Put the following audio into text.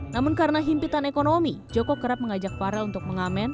namun karena himpitan ekonomi joko kerap mengajak farel untuk mengamen